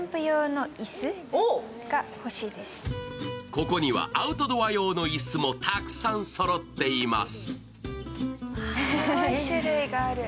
ここにはアウトドア用の椅子もたくさんそろっています。